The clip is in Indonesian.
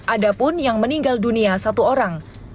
ada pun yang meninggal dunia satu orang